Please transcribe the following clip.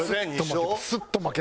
スッと負けた。